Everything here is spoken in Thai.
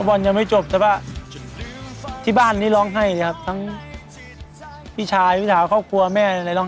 ปล่อยอะไรที่สิงห์อยู่ในร่างเราสักอย่าง